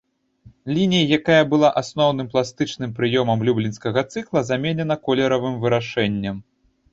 Лінія, якая была асноўным пластычным прыёмам люблінскага цыкла, заменена колеравым вырашэннем.